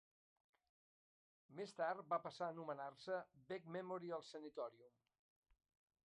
Més tard va passar a anomenar-se Beck Memorial Sanitorium.